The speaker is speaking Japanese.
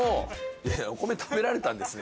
いやいや「お米食べられてたんですね」